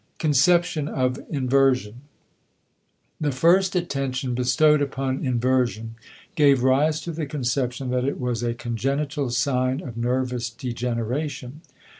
*Conception of Inversion.* The first attention bestowed upon inversion gave rise to the conception that it was a congenital sign of nervous degeneration.